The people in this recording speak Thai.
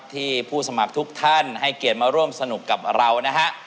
ผู้สมัครทุกท่านให้เกียรติมาร่วมสนุกกับเรานะฮะ